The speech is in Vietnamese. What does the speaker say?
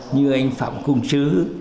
như anh phạm cung trứ